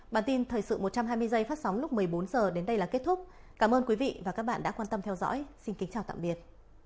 bản tin thời sự một trăm hai mươi giây phát sóng lúc một mươi bốn h đến đây là kết thúc cảm ơn quý vị và các bạn đã quan tâm theo dõi xin kính chào tạm biệt